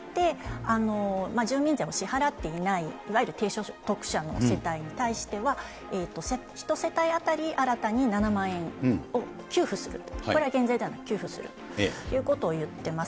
これに加えて、住民税を支払っていない、いわゆる低所得者の世帯に対しては、１世帯当たり新たに７万円を給付する、これは減税ではなく給付するということを言ってます。